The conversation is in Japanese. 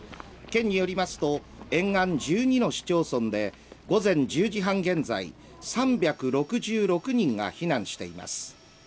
県によりますと、沿岸１２の市町村で午前１０時半現在３６６人が避難しています。